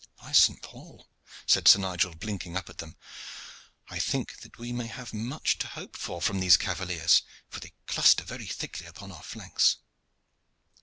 "By Saint Paul!" said Sir Nigel, blinking up at them, "I think that we have much to hope for from these cavaliers, for they cluster very thickly upon our flanks.